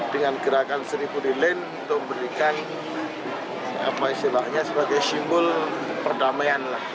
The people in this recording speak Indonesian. dengan gerakan seribu lilin untuk memberikan apa istilahnya sebagai simbol perdamaian lah